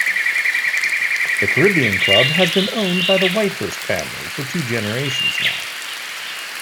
The Caribbean Club has been owned by the Whitehust family for two generations now.